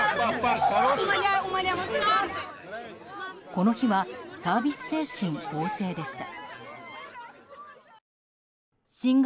この日はサービス精神旺盛でした。